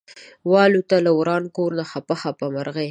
والوته له وران کور نه خپه خپه مرغۍ